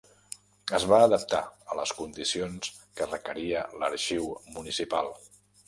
Es va adaptar a les condicions que requeria l'Arxiu Municipal.